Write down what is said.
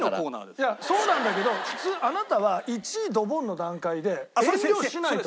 いやそうなんだけど普通あなたは１位ドボンの段階で遠慮しないと。